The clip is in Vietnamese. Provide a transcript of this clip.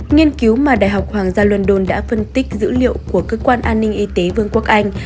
nghiên cứu mà đại học hoàng gia london đã phân tích dữ liệu của cơ quan an ninh y tế vương quốc anh